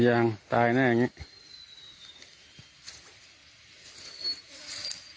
คนอยู่ยังตายแน่อย่างนี้